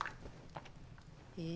え